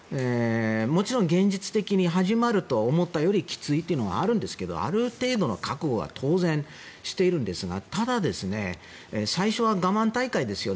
もちろん現実的に始まると思ったよりきついというのがあるんですがある程度の覚悟は当然しているんですがただ、最初は我慢大会ですよ。